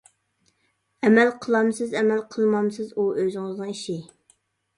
ئەمەل قىلامسىز, ئەمەل قىلمامسىز ئۇ ئۆزىڭىزنىڭ ئىشى.